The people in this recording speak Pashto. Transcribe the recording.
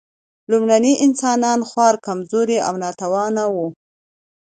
لومړني انسانان خورا کمزوري او ناتوانه وو.